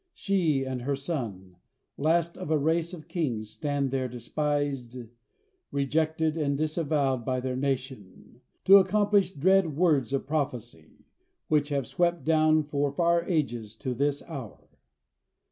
She and her son, last of a race of kings, stand there despised, rejected, and disavowed by their nation, to accomplish dread words of prophecy, which have swept down for far ages to this hour.